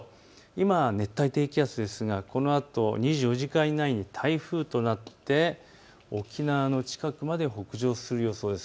今は熱帯低気圧ですがこのあと２４時間以内に台風となって沖縄の近くまで北上する予想です。